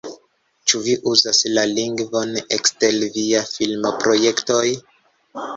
Ĉu vi uzas la lingvon ekster viaj filmprojektoj?